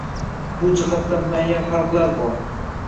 Bu jihatdan muayyan farqlar bor.